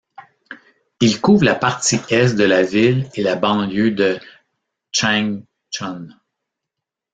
Il couvre la partie est de la ville et de la banlieue de Changchun.